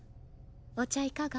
お茶いかが？